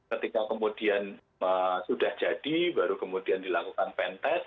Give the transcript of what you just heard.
jadi ketika kemudian sudah jadi baru kemudian dilakukan pen test